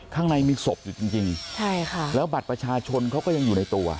ข้างนายมีศพอยู่จริงแล้วบัตรประชาชนเขาก็ยังอยู่ในตัว